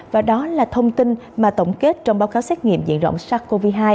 và đó là thông tin mà tổng kết trong báo cáo xét nghiệm diện rộng sars cov hai